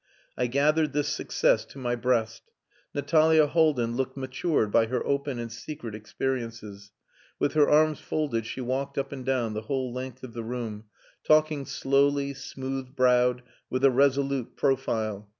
I gathered this success to my breast. Natalia Haldin looked matured by her open and secret experiences. With her arms folded she walked up and down the whole length of the room, talking slowly, smooth browed, with a resolute profile.